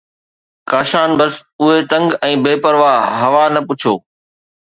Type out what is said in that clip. ڪاشان بس آهي تنگ ۽ بي پرواهه! هوا نه پڇو